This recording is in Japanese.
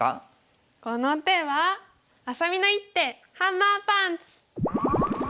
この手はあさみの一手ハンマーパンチ！